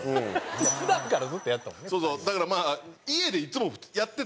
普段からずっとやってたもんね。